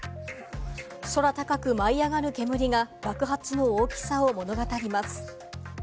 空高く舞い上がる煙が爆発の大きさを物語ります。